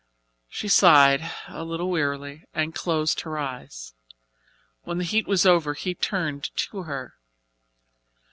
She sighed a little wearily and closed her eyes. When the heat was over he turned to her.